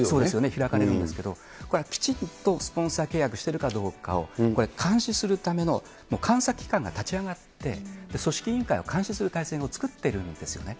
開かれるんですけど、これ、きちんとスポンサー契約をしているかどうかをこれ、監視するための監査機関が立ち上がって、組織委員会を監視する体制を作ってるんですよね。